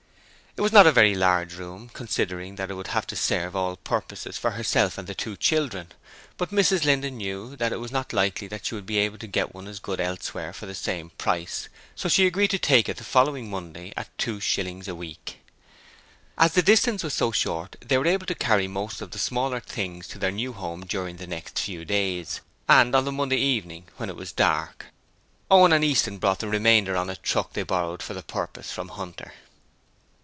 It was not a very large room, considering that it would have to serve all purposes for herself and the two children, but Mrs Linden knew that it was not likely that she would be able to get one as good elsewhere for the same price, so she agreed to take it from the following Monday at two shillings a week. As the distance was so short they were able to carry most of the smaller things to their new home during the next few days, and on the Monday evening, when it was dark. Owen and Easton brought the remainder on a truck they borrowed for the purpose from Hunter.